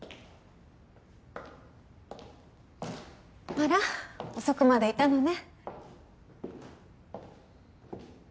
あら遅くまでいたのね。